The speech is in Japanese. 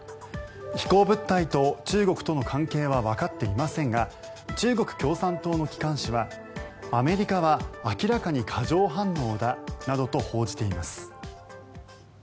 飛行物体と中国との関係はわかっていませんが中国共産党の機関紙はアメリカは明らかに過剰反応だなどと報じています。